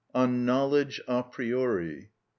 On Knowledge A Priori.